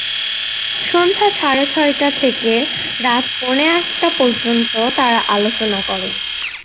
সন্ধ্যা সাড়ে ছয়টা থেকে রাত পৌনে আটটা পর্যন্ত তাঁরা আলোচনা করেন।